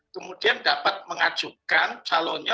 kemudian dapat mengajukan calonnya